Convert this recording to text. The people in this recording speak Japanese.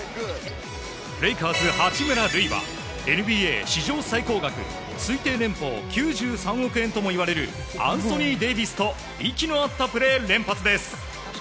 レイカーズ八村塁はＮＢＡ史上最高額推定年俸９３億円ともいわれるアンソニー・デイビスと息の合ったプレーを連発です。